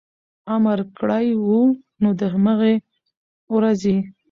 امر کړی و، نو د هماغې ورځې